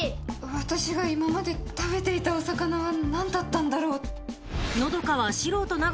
私が今まで食べていたお魚は何だったんだろう。